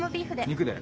肉で。